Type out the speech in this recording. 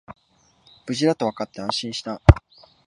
無事だとわかって安心した